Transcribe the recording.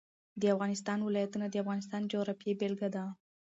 د افغانستان ولايتونه د افغانستان د جغرافیې بېلګه ده.